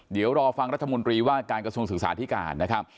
เดี๋ยวรอฟังรัฐมนตรีว่าการกระทรวงศึกษาธิการนะครับ